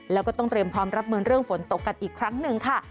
แล้วก็ต้องเตรียมพร้อมรับมือเรื่องฝนตกกันอีกครั้งหนึ่งค่ะ